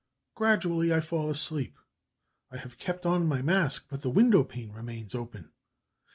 Gradually I fall asleep; I have kept on my mask, but the window pane remains open....